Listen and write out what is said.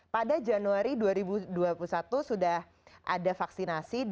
pada januari dua ribu dua puluh satu sudah ada vaksinasi